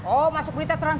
oh masuk berita trans tujuh